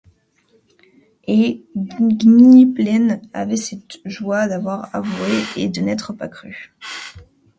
Et Gwynplaine avait cette joie d’avoir avoué et de n’être pas cru.